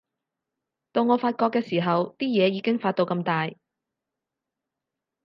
到我發覺嘅時候，啲嘢已經發到咁大